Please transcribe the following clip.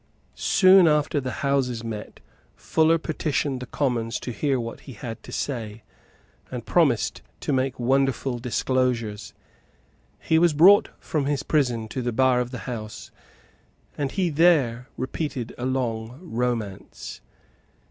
Soon after the Houses met, Fuller petitioned the Commons to hear what he had to say, and promised to make wonderful disclosures. He was brought from his prison to the bar of the House; and he there repeated a long romance.